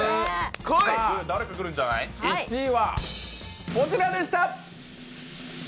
１位は、こちらでした！